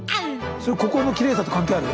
それ心のきれいさと関係ある？